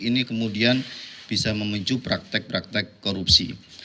ini kemudian bisa memicu praktek praktek korupsi